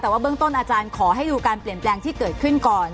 แต่ว่าเบื้องต้นอาจารย์ขอให้ดูการเปลี่ยนแปลงที่เกิดขึ้นก่อน